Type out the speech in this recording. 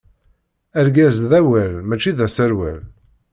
Argaz d awal, mačči d aserwal.